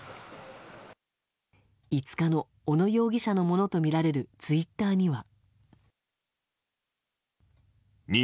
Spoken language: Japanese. ５日の小野容疑者のものとみられるツイッターには。